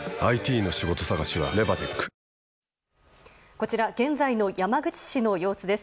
こちら現在の山口市の様子です。